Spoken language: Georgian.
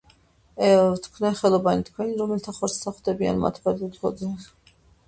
ვთქვნე ხელობანი თქვენანი რომელნი ხორცთა ხვდებიან:მართ ბაძავენ თუ ოდეს არ სიძვენ შორით ბნდებიან